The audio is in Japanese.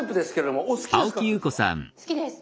好きです。